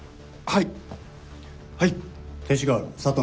はい！